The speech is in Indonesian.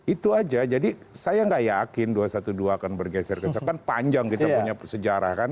itu aja jadi saya nggak yakin dua ratus dua belas akan bergeser geser kan panjang kita punya sejarah kan